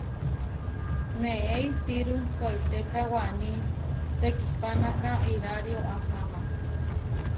Neé isiru toitéka waní tekihpánaka irario ahama.